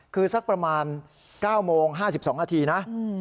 คือสักประมาณ๙โมง๕๒นาทีนะ